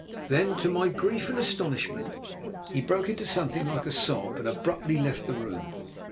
Then, to my grief and astonishment, he broke into something like a sob and abruptly left the room.